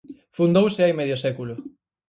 Fundouse hai medio século.